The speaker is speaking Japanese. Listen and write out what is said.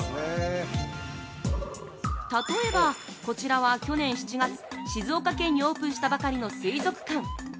例えば、こちらは去年７月静岡県にオープンしたばかりの水族館。